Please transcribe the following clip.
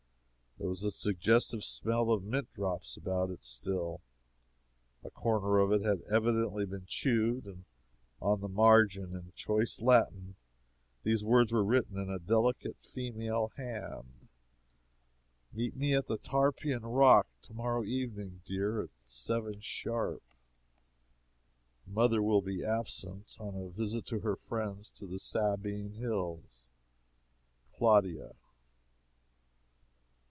There was a suggestive smell of mint drops about it still, a corner of it had evidently been chewed, and on the margin, in choice Latin, these words were written in a delicate female hand: "Meet me on the Tarpeian Rock tomorrow evening, dear, at sharp seven. Mother will be absent on a visit to her friends in the Sabine Hills. CLAUDIA."